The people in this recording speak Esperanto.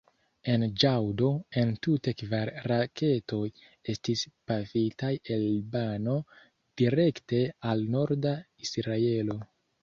En ĵaŭdo entute kvar raketoj estis pafitaj el Libano direkte al norda Israelo.